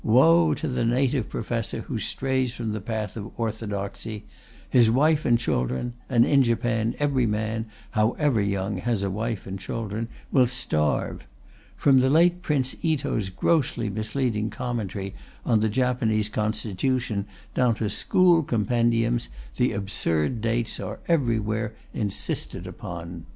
Woe to the native professor who strays from the path of orthodoxy. His wife and children (and in Japan every man, however young, has a wife and children) will starve. From the late Prince Ito's grossly misleading Commentary on the Japanese Constitution down to school compendiums, the absurd dates are everywhere insisted upon.